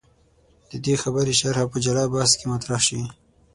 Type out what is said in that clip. د دې خبرې شرحه په جلا بحث کې مطرح شي.